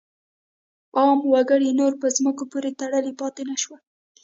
عام وګړي نور په ځمکو پورې تړلي پاتې نه شول.